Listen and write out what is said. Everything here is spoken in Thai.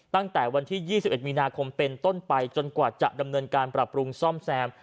ตั้งแต่วันที่๒๑มีนาคมเป็นต้นไปจนกว่าจะดำเนินการปรับปรุงซ่อมแซม